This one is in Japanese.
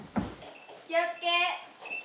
気を付け。